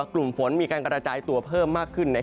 กลุ่มฝนมีการกระจายตัวเพิ่มมากขึ้น